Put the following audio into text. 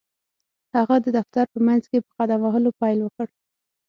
هغه د دفتر په منځ کې په قدم وهلو پيل وکړ.